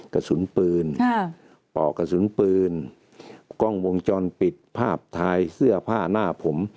กระสุนปืนปอกกระสุนปืนกล้องวงจรปิดภาพถ่ายเสื้อผ้าหน้าผม